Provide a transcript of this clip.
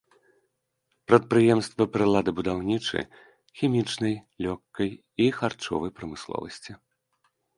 Прадпрыемствы прыладабудаўнічы, хімічнай, лёгкай і харчовай прамысловасці.